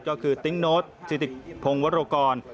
ก็คือติ๊งโน้ตธิติพงวโรกร